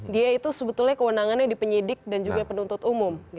dia itu sebetulnya kewenangannya di penyidik dan juga penuntut umum